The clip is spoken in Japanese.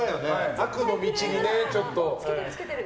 悪の道にちょっと。